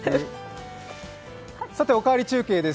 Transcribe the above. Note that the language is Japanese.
「おかわり中継」です。